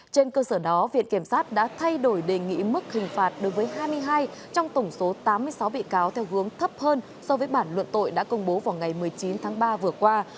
trên cơ sở đó viện kiểm sát đã thay đổi đề nghị mức hình phạt đối với hai mươi hai trong tổng số tám mươi sáu bị cáo theo hướng thấp hơn so với bản luận tội đã công bố vào ngày một mươi chín tháng ba vừa qua